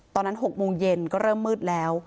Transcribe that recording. ตอนนั้น๖โมงเย็นก็เริ่มมืดแล้ว